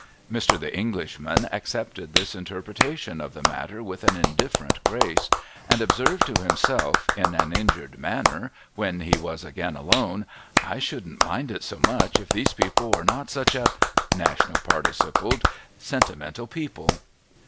Mr. The Englishman accepted this interpretation of the matter with an indifferent grace, and observed to himself, in an injured manner, when he was again alone :' I shouldn't mind it so much, if these people were not such a '— National Participled —' sentimental people